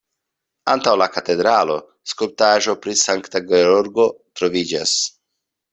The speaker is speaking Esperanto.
Antaŭ la katedralo skulptaĵo pri Sankta Georgo troviĝas.